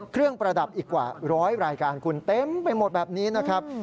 ประดับอีกกว่าร้อยรายการคุณเต็มไปหมดแบบนี้นะครับ